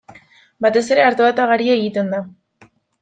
Batez ere, artoa eta garia egiten da.